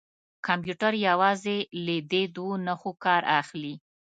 کمپیوټر یوازې له دې دوو نښو کار اخلي.